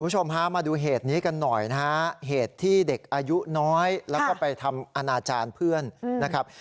คุณผู้ชมฮะมาดูเหตุนี้กันหน่อยนะฮะเหตุที่เด็กอายุน้อยแล้วก็ไปทำอนาจารย์เพื่อนนะครับ